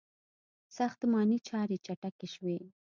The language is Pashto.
• ساختماني چارې چټکې شوې.